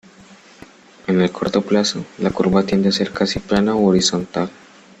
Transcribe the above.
En el corto plazo, la curva tiende a ser casi plana u horizontal.